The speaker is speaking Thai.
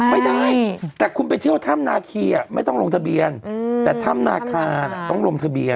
ไม่ได้แต่คุณไปเที่ยวถ้ำนาคีไม่ต้องลงทะเบียนแต่ถ้ำนาคาต้องลงทะเบียน